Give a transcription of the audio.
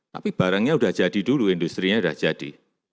tapi barangnya sudah jadi dulu industri nya sudah jadi